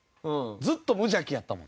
ずっと無邪気やったもんな。